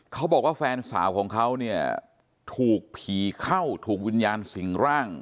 เขาบอกว่าแฟนสาวของเขาเนี่ยถูกผีเข้าถูกวิญญาณสิ่งร่าง